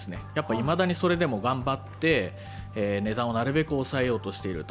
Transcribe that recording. いまだにそれでも頑張って値段をなるべく抑えようとしていると。